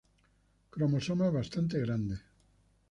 Cromosomas bastante grandes.